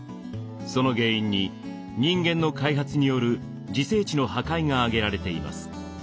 その原因に人間の開発による自生地の破壊が挙げられています。